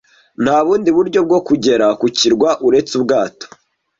Nta bundi buryo bwo kugera ku kirwa uretse ubwato.